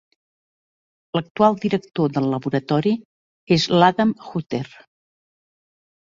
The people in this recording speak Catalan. L'actual director del laboratori és l'Adam Hutter.